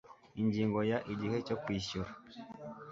Ingingo ya Igihe cyo kwishyura